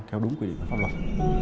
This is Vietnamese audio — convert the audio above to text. theo đúng quy định và pháp luật